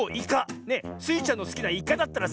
スイちゃんのすきなイカだったらさ